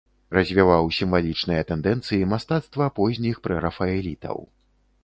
Развіваў сімвалічныя тэндэнцыі мастацтва позніх прэрафаэлітаў.